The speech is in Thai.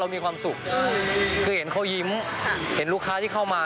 นี่นึกไงเรา